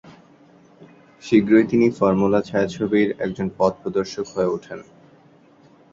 শীঘ্রই তিনি "ফর্মুলা ছায়াছবি"র একজন পথ নির্দেশক হয়ে ওঠেন।